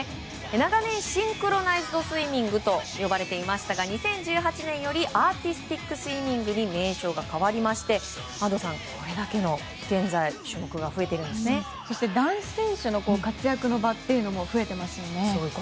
長年、シンクロナイズドスイミングと呼ばれていましたが２０１８年よりアーティスティックスイミングに名称が変わりまして安藤さん、これだけの種目が男子選手の活躍の場も増えてますよね。